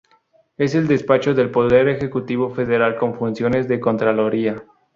Es el despacho del poder ejecutivo federal con funciones de "Contraloría".